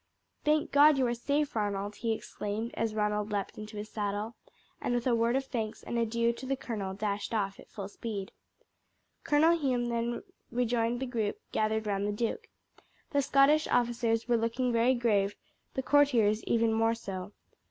"Thank God you are safe, Ronald!" he exclaimed as Ronald leapt into his saddle, and with a word of thanks and adieu to the colonel dashed off at full speed. Colonel Hume then rejoined the group gathered round the duke. The Scottish officers were looking very grave, the courtiers even more so.